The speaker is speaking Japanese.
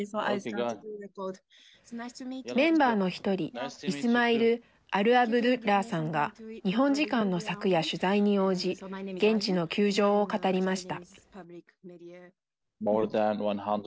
メンバーの１人イスマイル・アルアブドゥッラーさんが日本時間の昨夜、取材に応じ現地の窮状を語りました。